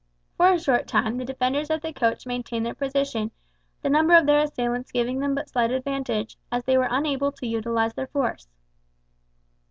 For a short time the defenders of the coach maintained their position, the number of their assailants giving them but slight advantage, as they were unable to utilize their force.